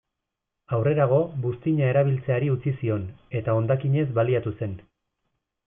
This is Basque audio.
Aurrerago, buztina erabiltzeari utzi zion, eta hondakinez baliatu zen.